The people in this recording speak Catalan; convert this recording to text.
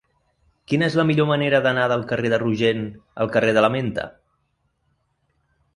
Quina és la millor manera d'anar del carrer de Rogent al carrer de la Menta?